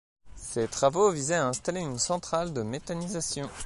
Ces travaux visaient à installer une centrale de méthanisation.